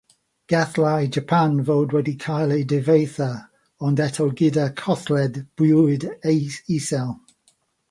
Gallai Japan fod wedi cael ei difetha, ond eto gyda cholled bywyd isel.